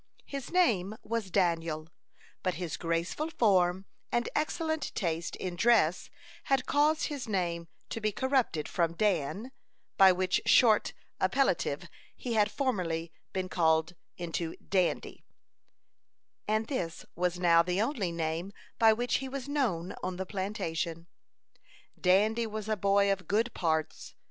His name was Daniel; but his graceful form and excellent taste in dress had caused his name to be corrupted from "Dan," by which short appellative he had formerly been called, into "Dandy," and this was now the only name by which he was known on the plantation. Dandy was a boy of good parts.